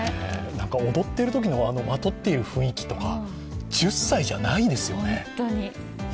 踊っているときのまとっている雰囲気とか１０歳じゃないですよね。